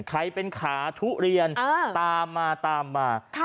ใครเป็นขาทุเรียนตามมาตามมา